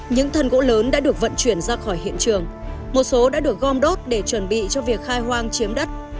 những thân gỗ lớn đã được vận chuyển ra khỏi hiện trường một số đã được gom đốt để chuẩn bị cho việc khai hoang chiếm đất